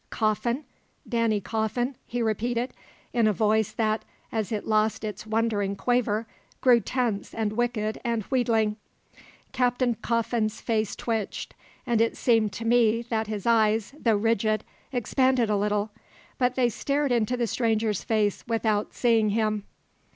"Coffin? Danny Coffin?" he repeated, in a voice that, as it lost its wondering quaver, grew tense and wicked and wheedling. Captain Coffin's face twitched, and it seemed to me that his eyes, though rigid, expanded a little. But they stared into the stranger's face without seeing him.